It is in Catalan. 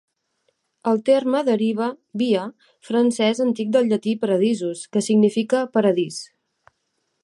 El terme deriva "via" francès antic del llatí "paradisus" que significa "paradís".